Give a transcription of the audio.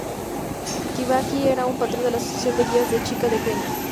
Kibaki era un patrón de la Asociación de Guías de Chica de Kenya.